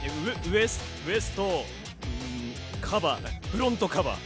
ウエストフロントカバー？